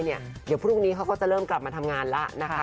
เดี๋ยวพรุ่งนี้เขาก็จะเริ่มกลับมาทำงานแล้วนะคะ